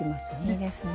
いいですね。